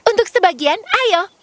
untuk sebagian ayo